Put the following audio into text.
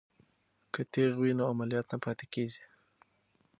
که تیغ وي نو عملیات نه پاتې کیږي.